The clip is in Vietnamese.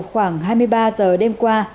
khoảng hai mươi ba h đêm qua